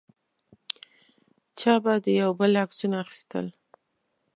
چا به د یو بل عکسونه اخیستل.